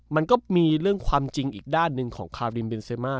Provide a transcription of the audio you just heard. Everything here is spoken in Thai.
มันก็มีเรื่องความจริงอีกด้านหนึ่งของคาริมเบนเซมา